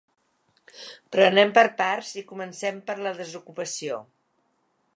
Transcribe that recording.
Però anem per parts i comencem per la desocupació.